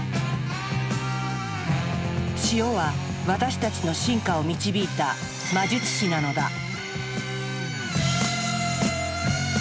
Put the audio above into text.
塩は私たちの進化を導いた魔術師なのだ。